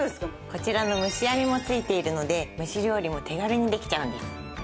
こちらの蒸し網も付いているので蒸し料理も手軽にできちゃうんです。